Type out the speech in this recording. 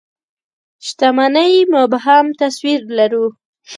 شتمنۍ مبهم تصوير لرو.